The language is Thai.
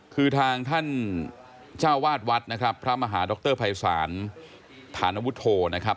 คือทางท่านเจ้าวาสวัดพระมหาดรพภัยสารธานวุโตะนะครับ